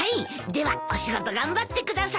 ではお仕事頑張ってください。